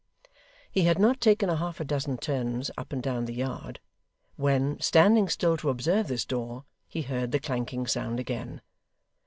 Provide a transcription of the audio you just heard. He had not taken half a dozen turns up and down the yard, when, standing still to observe this door, he heard the clanking sound again.